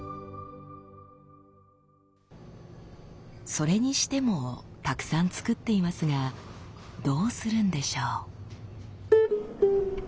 それにしてもたくさん作っていますがどうするんでしょう？